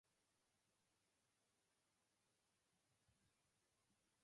She was the first Castlebar Celtic player to represent the Republic of Ireland team.